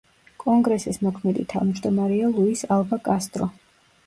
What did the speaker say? კონგრესის მოქმედი თავჯდომარეა ლუის ალვა კასტრო.